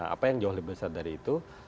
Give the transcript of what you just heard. apa yang jauh lebih besar dari itu